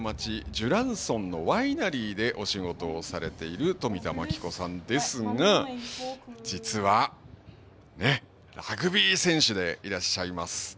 ジュランソンのワイナリーでお仕事をされている冨田真紀子さんですが実はラグビー選手でいらっしゃいます。